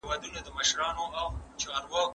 ځي به له ناسیالو سره مخ به یې توریږي